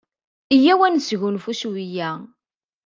Iyyaw ad nesgunfu cwiya.